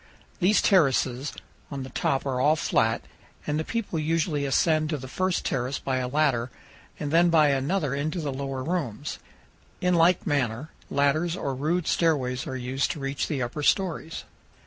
These terraces on the top are all flat, and the people usually ascend to the first terrace by a ladder and then by another into the lower rooms. In like manner, ladders or rude stairways are used to reach the upper stories.